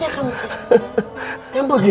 kita belum ngobrol yang lain lain